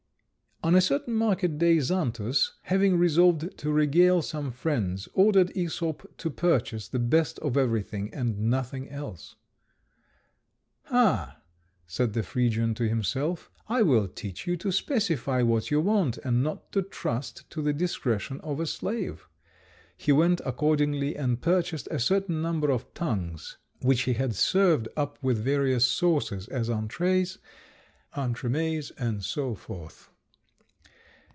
On a certain market day Xantus, having resolved to regale some friends, ordered Æsop to purchase the best of everything, and nothing else. "Ah!" said the Phrygian to himself, "I will teach you to specify what you want, and not to trust to the discretion of a slave." He went accordingly and purchased a certain number of tongues, which he had served up with various sauces as entrées, entremets, and so forth.